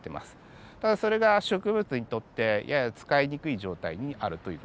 ただそれが植物にとってやや使いにくい状態にあるという事。